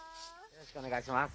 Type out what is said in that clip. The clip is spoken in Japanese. よろしくお願いします。